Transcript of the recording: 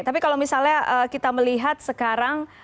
tapi kalau misalnya kita melihat sekarang